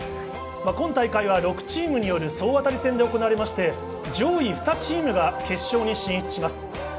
今大会は６チームによる総当たり戦で行われ、上位２チームが決勝に進出。